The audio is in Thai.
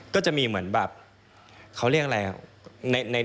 ก็จะมีเหมือนแบบเขาเรียกอะไรครับ